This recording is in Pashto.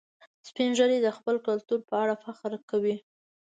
سپین ږیری د خپل کلتور په اړه فخر کوي